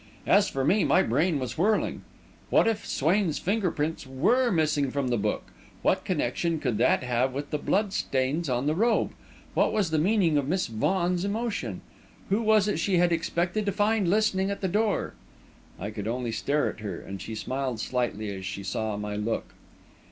As for me, my brain was whirling. What if Swain's finger prints were missing from the book? What connection could that have with the blood stains on the robe? What was the meaning of Miss Vaughan's emotion? Who was it she had expected to find listening at the door? I could only stare at her, and she smiled slightly as she saw my look.